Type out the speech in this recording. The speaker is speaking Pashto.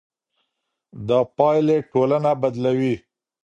دا پايلې ټولنه بدلوي.